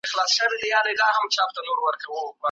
اروپایي مارکسیزم په نولسمه پیړۍ کي وده وکړه.